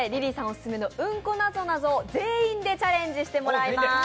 オススメの「うんこなぞなぞ」全員でチャレンジしてもらいます。